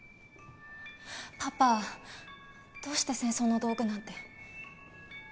パパどうして戦争の道具なんて。